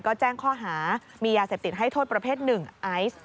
ก็แจ้งข้อหามียาเสพติดให้โทษประเภทหนึ่งไอซ์